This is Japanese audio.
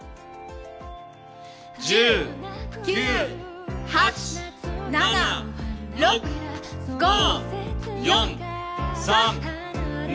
１０９８７６５４３２１。